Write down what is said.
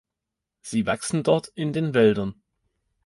Sie wachsen dort in den Wäldern.